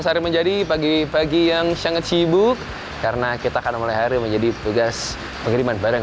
sehari menjadi pagi pagi yang sangat sibuk karena kita akan mulai hari menjadi tugas pengiriman barang